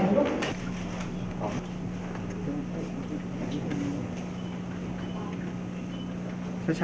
อ๋อไม่มีพิสิทธิ์